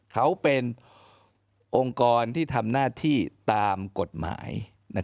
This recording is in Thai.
เขาเป็นองค์กรที่ทำหน้าที่ตามกฎหมาย